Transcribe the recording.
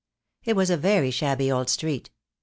It was a very shabby old street.